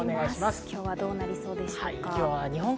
今日はどうなりそうでしょうか？